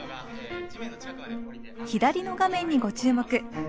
左の画面にご注目。